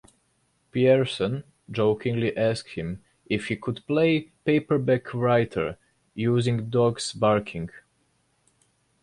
Pierson jokingly asked him if he could play "Paperback Writer" using dogs barking.